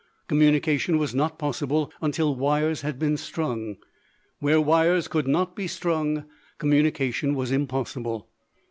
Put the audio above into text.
Communication was not possible until wires had been strung; where wires could not be strung communication was impossible.